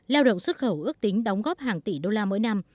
lao động xuất khẩu ước tính đóng góp hàng tỷ đô la mỗi năm